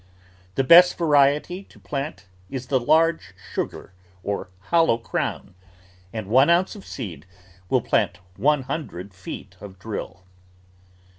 The best variety to plant is the I^arge Sugar or Hollow Crown, and one oimce of seed will plant one hundred feet of drill.